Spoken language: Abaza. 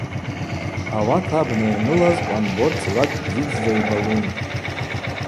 Ауат абна йанылаз Къамбот цӏлакӏ бзидздза йбалун.